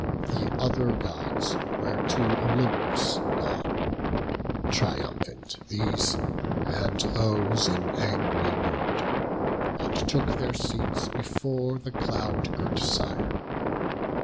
The other Gods were to Olympus gone, Triumphant these, and those in angry mood, And took their seats before the cloud girt Sire.